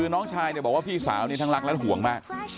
น้องชายบอกว่าพี่สาวไม่ห่วงอะ